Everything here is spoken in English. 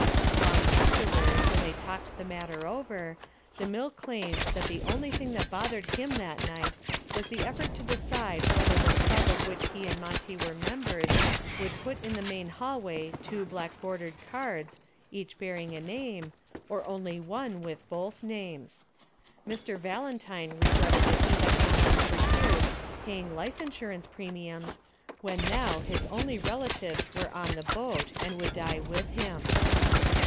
Long afterward when they talked the matter over, DeMille claimed that the only thing that bothered him that night was the effort to decide whether the club of which he and Monty were members would put in the main hallway two black bordered cards, each bearing a name, or only one with both names. Mr. Valentine regretted that he had gone on for years paying life insurance premiums when now his only relatives were on the boat and would die with him.